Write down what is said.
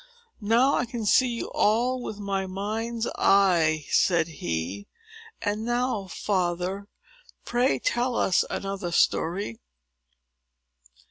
"Now I can see you all, with my mind's eye," said he; "and now, father, pray tell us another story."